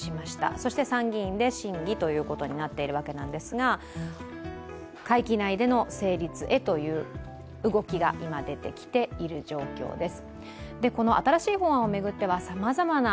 そして参議院で審議ということになっているわけなんですが、会期内での成立へという動きが今、出てきている状況です。